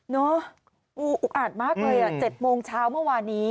เนอะอุ๊บอาดมากเลยอ่ะ๗โมงเช้าเมื่อวานี้